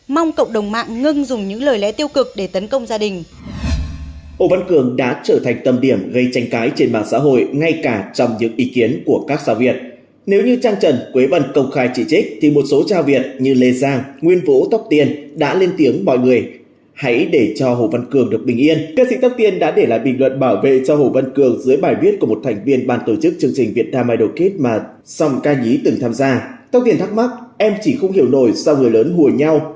mong cộng đồng mạng ngưng dùng những lời lẽ tiêu cực để tấn công gia đình